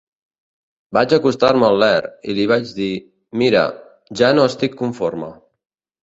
Vaig acostar-me al Ler i li vaig dir "Mira, ja no estic conforme".